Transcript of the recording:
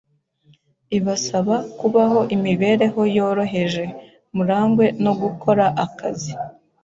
ibasaba kubaho imibereho yoroheje, murangwe no gukora akazi